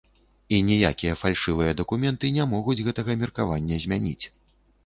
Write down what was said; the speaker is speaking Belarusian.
І ніякія фальшывыя дакументы не могуць гэтага меркавання змяніць.